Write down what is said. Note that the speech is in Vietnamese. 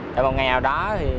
để một ngày nào đó